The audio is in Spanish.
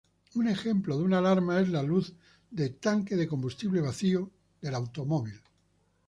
Un ejemplo de una alarma es la luz de "tanque de combustible vacío"del automóvil.